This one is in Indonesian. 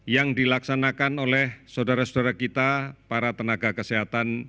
yang dilaksanakan oleh saudara saudara kita para tenaga kesehatan